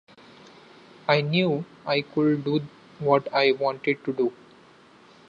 I knew I could do what I wanted to do.